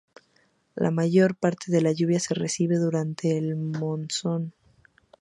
La mayor parte de la lluvia se recibe durante el monzón.